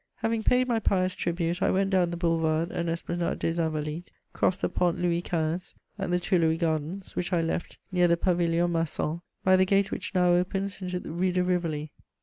Having paid my pious tribute, I went down the Boulevard and Esplanade des Invalides, crossed the Pont Louis XV. and the Tuileries Gardens, which I left, near the Pavilion Marsan, by the gate which now opens into the Rue de Rivoli.